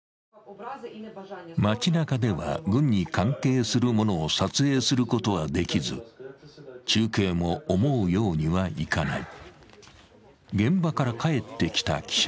街なかでは軍に関係するものを撮影することはできず、中継も思うようにはいかない。